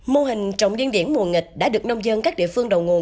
mô hình trồng điên điển mùa nghịch đã được nông dân các địa phương đầu nguồn